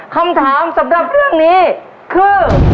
คำถามสำหรับเรื่องนี้คือ